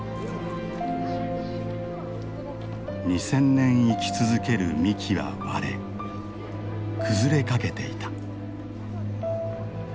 ２，０００年生き続ける幹は割れ崩れかけていた。